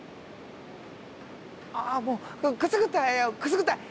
あもうくすぐったいくすぐったい！